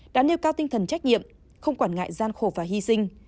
đã nêu cao tinh thần trách nhiệm không quản ngại gian khổ và hy sinh